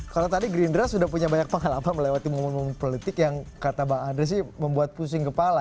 kalau tadi gerindra sudah punya banyak pengalaman melewati momen momen politik yang kata bang andre sih membuat pusing kepala